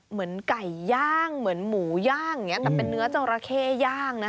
เหมือนไก่ย่างเหมือนหมูย่างอย่างนี้แต่เป็นเนื้อจอราเข้ย่างนะคะ